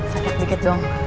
sakit dikit dong